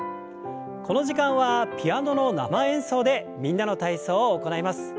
この時間はピアノの生演奏で「みんなの体操」を行います。